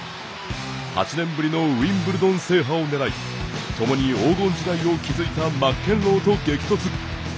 ８年ぶりのウィンブルドン制覇をねらい共に黄金時代を築いたマッケンローと激突。